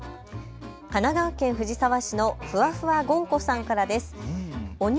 神奈川県藤沢市のふわふわゴン子さんからです。